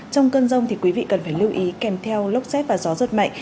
trong cơn rông thì quý vị cần phải lưu ý kèm theo lốc xét và gió rất mạnh